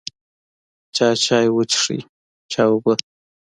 چا چای وڅښو، چا اوبه.